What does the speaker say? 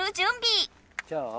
じゃあ。